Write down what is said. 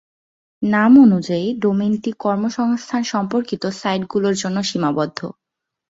নাম অনুযায়ী, ডোমেইনটি কর্মসংস্থান সম্পর্কিত সাইটগুলোর জন্য সীমাবদ্ধ।